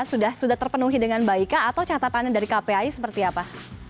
sudah terpenuhi dengan baik atau catatan dari kpai seperti apa